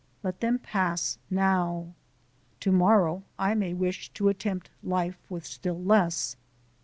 Let them pass now. To morrow I may wish to attempt life with still less.